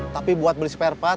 tapi buat beli spare part